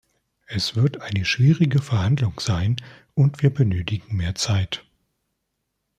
Es wird eine schwierige Verhandlung sein und wir benötigen mehr Zeit.